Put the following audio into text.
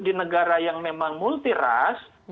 di negara yang memang multi ras